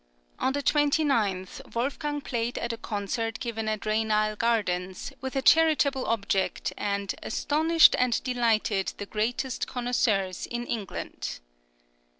On the 29th Wolfgang played at a concert given at Ranelagh Gardens, with a charitable object, and "astonished and delighted the greatest connoisseurs in England."